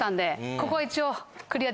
ここは一応。